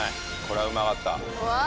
これはうまかったわあ！